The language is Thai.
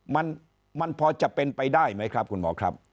มันมันพอจะเป็นไปได้ไหมครับคุณหมอครับ